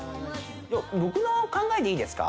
僕の考えでいいですか。